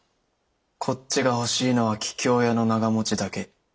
こっちが欲しいのは桔梗屋の長持だけ。